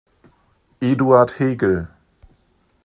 Eduard Hegel.